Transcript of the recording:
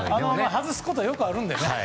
外すことよくあるんでね。